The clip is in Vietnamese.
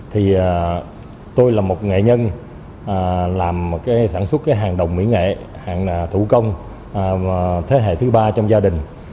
thì tôi là một nghệ nhân làm sản xuất hàng đồng mỹ nghệ hàng thủ công thế hệ thứ ba trong gia đình